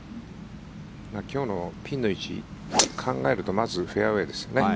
今日のピンの位置を考えるとまずフェアウェーですね。